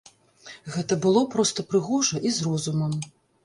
Гэта было проста прыгожа і з розумам.